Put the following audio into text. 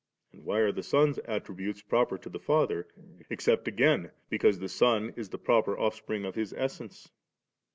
and why are the Son's attributes proper to the Father, except again because the Son is the proper Offspring of His Essence?